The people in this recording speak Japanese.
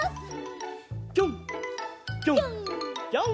ぴょんぴょんぴょん！